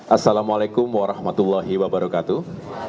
assalamu alaikum warahmatullahi wabarakatuh